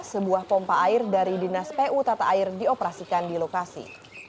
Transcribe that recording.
sebuah pompa air dari dinas pu tata air dioperasikan di lokasi